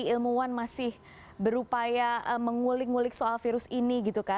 ilmuwan masih berupaya mengulik ngulik soal virus ini gitu kan